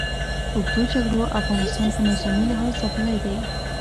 اوږدو جګړو افغانستان په نظامي لحاظ ځپلی دی.